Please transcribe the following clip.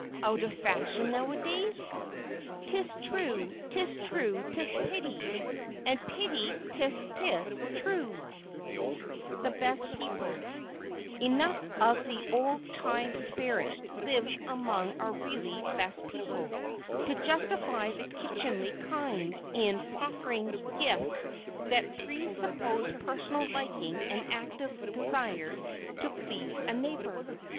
Out of fashion nowadays? "'Tis true: 'tis true 'tis pity; And pity 'tis 'tis true." [Sidenote: THE BEST PEOPLE] Enough of the old time spirit lives among our really "best people" to justify the "kitchenly kind" in proffering gifts that presuppose personal liking and active desire to please a neighbor.